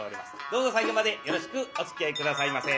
どうぞ最後までよろしくおつきあい下さいませ。